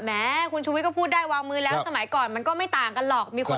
แม้คุณชุวิตก็พูดได้วางมือแล้วสมัยก่อนมันก็ไม่ต่างกันหรอก